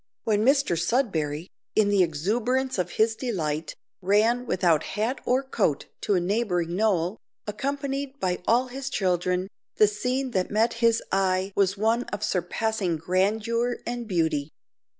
When Mr Sudberry, in the exuberance of his delight, ran without hat or coat to a neighbouring knoll, accompanied by all his children, the scene that met his eye was one of surpassing grandeur and beauty.